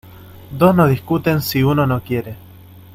Dos no discuten si uno no quiere.